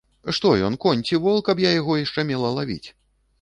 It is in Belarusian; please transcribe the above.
Што ён, конь ці вол, каб я яго яшчэ мела лавіць?